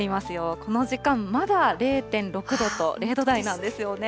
この時間、まだ０．６度と、０度台なんですよね。